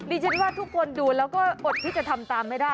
ดิฉันว่าทุกคนดูแล้วก็อดที่จะทำตามไม่ได้